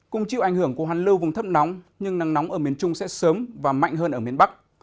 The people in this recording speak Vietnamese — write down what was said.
cùng chịu ảnh hưởng của hoàn lưu vùng thấp nóng nhưng nắng nóng ở miền trung sẽ sớm và mạnh hơn ở miền bắc